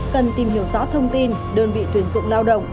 cần tìm hiểu rõ thông tin đơn vị tuyển dụng lao động